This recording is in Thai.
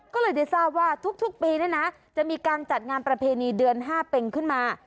ก็เลยได้ทราบว่าทุกปีเนี่ยนะจะมีการจัดงานประเพณีเดือน๕เป็งขึ้นมา